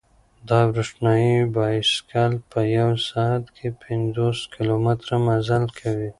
دا برېښنايي بایسکل په یوه ساعت کې پنځوس کیلومتره مزل کوي.